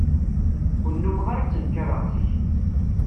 Ur nnummeɣ ara ttenkareɣ zik.